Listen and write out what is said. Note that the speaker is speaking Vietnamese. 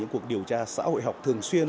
cơ chế thúc đẩy